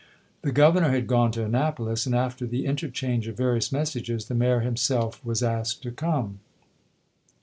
The Governor had gone to Annapolis, and after the interchange of various messages, the mayor himself was asked to come.